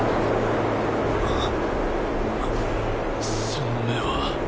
その目は。